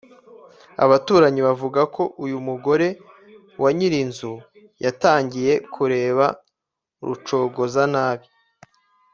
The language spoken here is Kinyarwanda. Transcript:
Abaturanyi bavuga ko uyu mugore wa nyir’inzu yatangiye kureba Rucogoza nabi